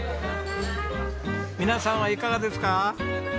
皆さんはいかがですか？